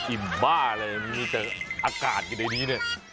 อิ่มบ้าวเลยมีเจออากาศในนี้